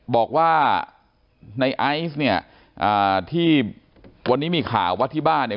บอกว่าในไอซ์เนี่ยอ่าที่วันนี้มีข่าวว่าที่บ้านเนี่ย